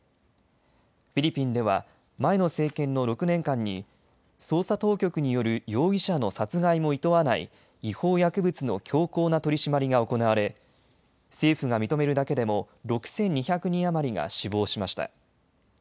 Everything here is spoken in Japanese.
フィリピンでは前の政権の６年間に捜査当局による容疑者の殺害もいとわない違法薬物の強硬な取締りが行われ政府が認めるだけでも６２００人余りが死亡しました。